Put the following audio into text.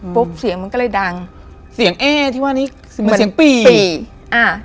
ปุ๊บเสียงมันก็เลยดังเสียงที่ว่านี้เหมือนเสียงอ่า